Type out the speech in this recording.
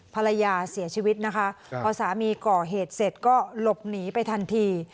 ภรรยาเสียชีวิตนะคะพอสามีก่อเหตุเสร็จก็หลบหนีไปทันที